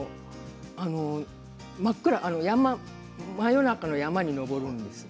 真っ暗、真夜中の山に登るんです。